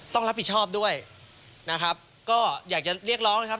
ต้องรับผิดชอบด้วยนะครับก็อยากจะเรียกร้องนะครับ